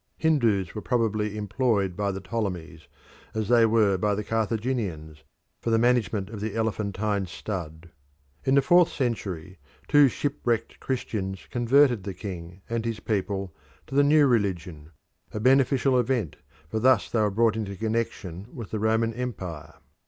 Hindus were probably employed by the Ptolemies, as they were by the Carthaginians, for the management of the elephantine stud. In the fourth century two shipwrecked Christians converted the king and his people to the new religion a beneficial event, for thus they were brought into connection with the Roman Empire.